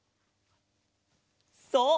そう！